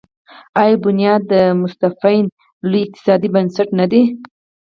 آیا بنیاد مستضعفین لوی اقتصادي بنسټ نه دی؟